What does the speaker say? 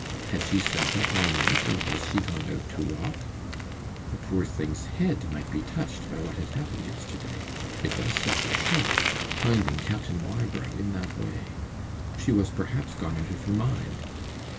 Had she sat up all night, and was she gone out to walk? The poor thing's head might be touched by what had happened yesterday; it was such a shock finding Captain Wybrow in that way; she was perhaps gone out of her mind.